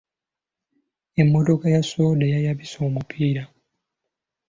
Emmotoka ya soda yayabise omupiira.